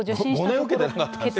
５年受けてなかったんですか？